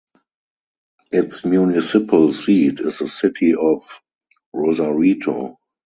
Its municipal seat is the city of Rosarito.